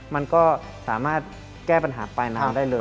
มันก็สามารถแก้ปัญหาปลายน้ำได้เลย